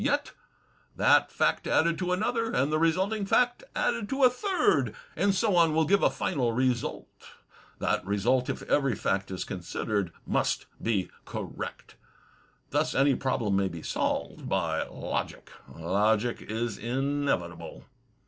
Yet that fact added to another, and the resulting fact added to a third, and so on, will give a final result. That result, if every fact is considered, must be correct. Thus any problem may be solved by logic; logic is inevitable."